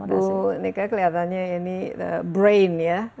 bu nika kelihatannya ini brain ya